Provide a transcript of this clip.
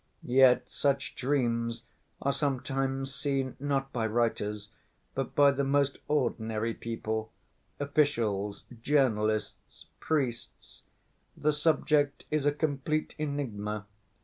Yet such dreams are sometimes seen not by writers, but by the most ordinary people, officials, journalists, priests.... The subject is a complete enigma.